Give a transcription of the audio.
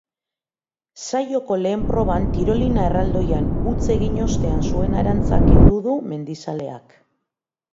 Saioko lehen proban tirolina erraldoian huts egin ostean zuen arantza kendu du mendizaleak.